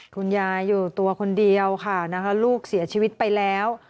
คุณยายอยู่ตัวคนเดียวค่ะนะคะลูกเสียชีวิตไปแล้ว